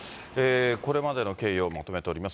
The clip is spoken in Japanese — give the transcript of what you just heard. これまでの経緯をまとめております。